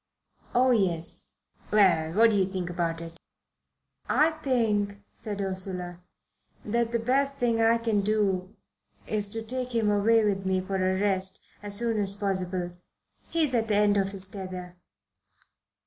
"Oh, yes." "Well, what do you think about it?" "I think," said Ursula, "that the best thing I can do is to take him away with me for a rest as soon as possible. He's at the end of his tether."